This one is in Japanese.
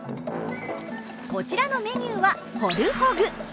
こちらのメニューは「ホルホグ」。